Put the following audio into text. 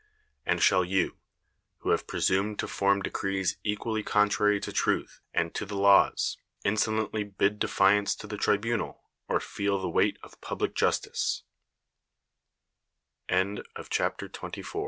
And shall you, who have presumed to form de crees equally contrary to truth and to the laws, insolently bid detiance to the tribunal, or feel the weight of public justice?